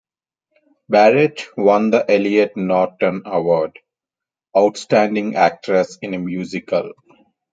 Barrett won the Elliot Norton Award - Outstanding Actress in a Musical.